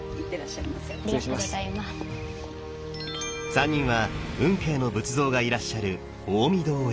３人は運慶の仏像がいらっしゃる大御堂へ。